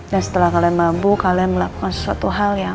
dan setelah kalian mabuk kalian melakukan sesuatu hal yang